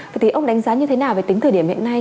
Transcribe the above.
vậy thì ông đánh giá như thế nào về tính thời điểm hiện nay